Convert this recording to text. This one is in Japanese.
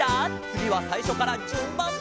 つぎはさいしょからじゅんばん！